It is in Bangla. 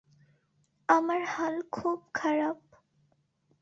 আমার হাল খুব খারাপ!